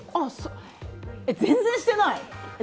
全然してない。